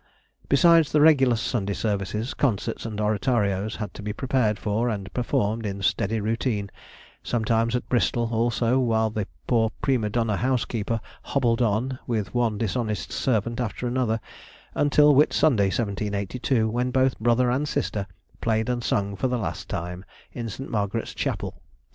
Besides the regular Sunday services, concerts and oratorios had to be prepared for and performed in steady routine, sometimes at Bristol also, while the poor prima donna housekeeper "hobbled on" with one dishonest servant after another, until Whit Sunday, 1782, when both brother and sister played and sung for the last time, in St. Margaret's Chapel.